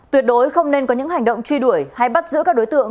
tuyệt đối không nên có những hành động truy đuổi hay bắt giữ các đối tượng